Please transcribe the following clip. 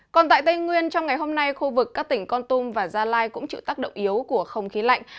còn tại tây nguyên trong ngày hôm nay khu vực các tỉnh con tum và gia lai cũng chịu tác động yếu của không khí lạnh